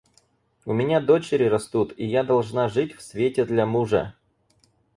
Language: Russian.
У меня дочери растут, и я должна жить в свете для мужа.